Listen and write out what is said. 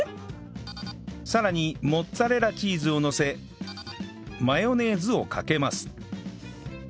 さらにモッツァレラチーズをのせマヨネーズをかけます